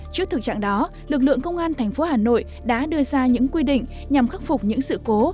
trước thực trạng đó lực lượng công an tp hà nội đã đưa ra những quy định nhằm khắc phục những sự cố